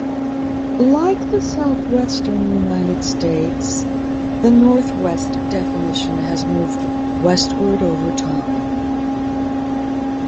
Like the southwestern United States, the Northwest definition has moved westward over time.